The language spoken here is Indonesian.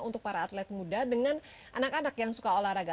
untuk para atlet muda dengan anak anak yang suka olahraga